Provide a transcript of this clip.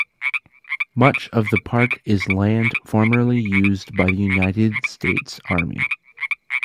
Much of the park is land formerly used by the United States Army.